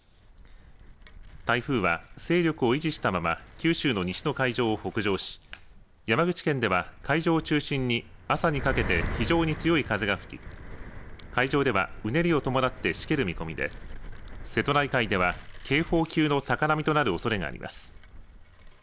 台風は勢力を維持したまま九州の西の海上を北上し山口県では海上を中心に朝にかけて非常に強い風が吹き海上ではうねりを伴ってしける見込みで瀬戸内海では警報級の高波となるおそれがあります。